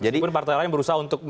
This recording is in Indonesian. walaupun partai lain berusaha untuk